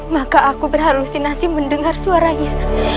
maka aku berhalusinasi mendengar suaranya